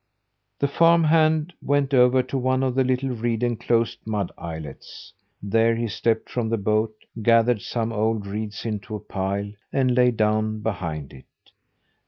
The farm hand went over to one of the little reed enclosed mud islets. There he stepped from the boat, gathered some old reeds into a pile, and lay down behind it.